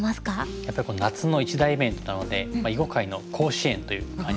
やっぱり夏の一大イベントなので囲碁界の甲子園という感じですかね。